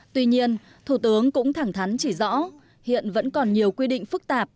tuy nhiên thủ tướng cũng thẳng thắn chỉ rõ hiện vẫn còn nhiều quy định phức tạp